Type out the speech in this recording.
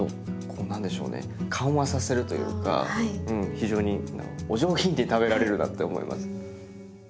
非常にお上品に食べられるなって思います。